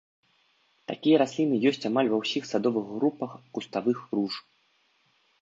Такія расліны ёсць амаль ва ўсіх садовых групах куставых руж.